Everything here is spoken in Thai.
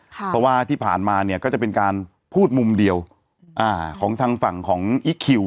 เพราะว่าที่ผ่านมาเนี่ยก็จะเป็นการพูดมุมเดียวของทางฝั่งของอีคคิว